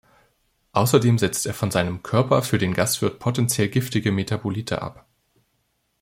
Außerdem setzt er von seinem Körper für den Gastwirt potentiell giftige Metabolite ab.